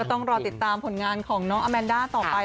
ต้องรอติดตามผลงานของน้องอาแมนด้าต่อไป